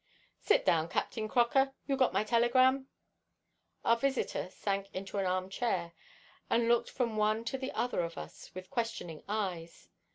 "Sit down, Captain Croker. You got my telegram?" Our visitor sank into an arm chair and looked from one to the other of us with questioning eyes.